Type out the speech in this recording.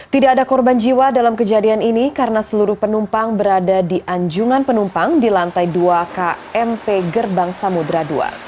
tidak ada korban jiwa dalam kejadian ini karena seluruh penumpang berada di anjungan penumpang di lantai dua kmp gerbang samudera ii